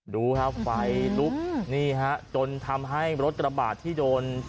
ดูครับไฟลุกนี่ฮะจนทำให้รถกระบาดที่โดน